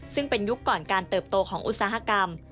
ซึ่งเป็นยุคก่อนการเติบโตของอุตสาหกรรม